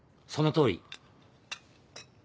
そのとおり。